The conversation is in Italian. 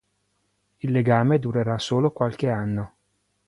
Il legame durerà solo qualche anno.